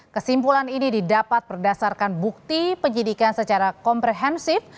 kesimpulan ini didapat berdasarkan bukti penyidikan secara komprehensif